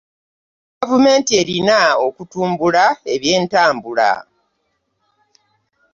Gavumenti erina okutumbula ebyentambula.